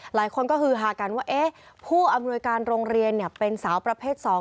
หลายคนก็ฮือฮากันว่าผู้อำนวยการโรงเรียนเป็นสาวประเภท๒